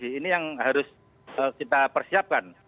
ini yang harus kita persiapkan